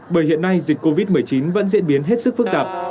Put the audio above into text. bởi hiện nay dịch covid một mươi chín vẫn diễn biến hết sức phức tạp